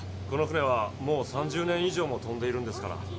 この船はもう３０年以上も飛んでいるんですから。